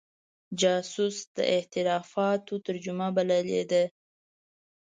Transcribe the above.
جاسوس د اعترافاتو ترجمه بللې ده.